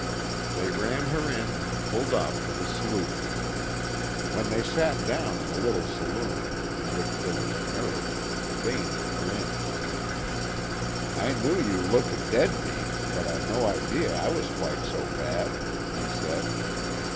They ran her in and pulled off to the sloop. When they sat down in the little saloon, in which there was a mirror, Vane grinned. "I knew you looked a deadbeat, but I'd no idea I was quite so bad," he said.